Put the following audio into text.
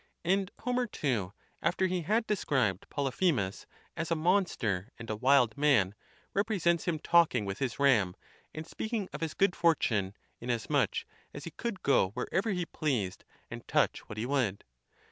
And Homer, too, after he had de scribed Polyphemus as a monster and a wild man, repre sents him talking with his ram, and speaking of his good fortune, inasmuch as he could go wherever he pleased and touch what he would.